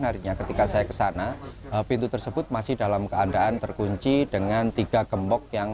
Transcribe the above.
harinya ketika saya kesana pintu tersebut masih dalam keadaan terkunci dengan tiga gembok yang